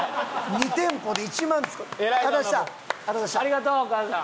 ありがとうお母さん。